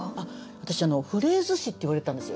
私「フレーズ師」っていわれてたんですよ。